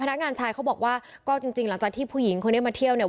นักงานชายเขาบอกว่าก็จริงจริงหลังจากที่ผู้หญิงคนนี้มาเที่ยวเนี่ย